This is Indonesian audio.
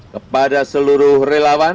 kepada seluruh relawan